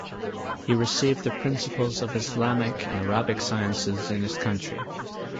He received the principles of Islamic and Arabic sciences in his country.